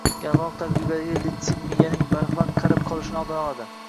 Yong'oq tarkibidagi litsin miyaning barvaqt qarib qolishi oldini oladi.